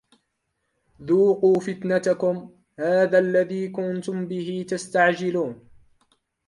ذوقوا فِتنَتَكُم هذَا الَّذي كُنتُم بِهِ تَستَعجِلونَ